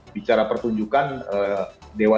bicara pertunjukan dewa sembilan belas